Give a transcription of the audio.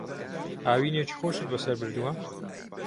هاوینێکی خۆشت بەسەر بردووە؟